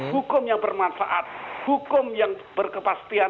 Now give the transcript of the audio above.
hukum yang bermanfaat hukum yang berkepastian